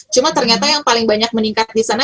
cuma ternyata yang paling banyak meningkat disana